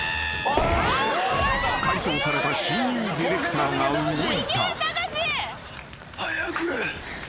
［改造された親友ディレクターが動いた］